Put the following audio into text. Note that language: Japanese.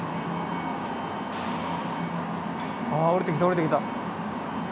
ああおりてきたおりてきた。